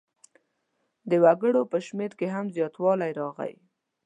د وګړو په شمېر کې هم زیاتوالی راغی.